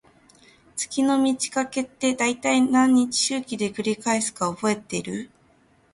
月の満ち欠けって、だいたい何日周期で繰り返すか覚えてる？